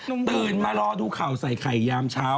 ตื่นมารอดูข่าวใส่ไข่ยามเช้า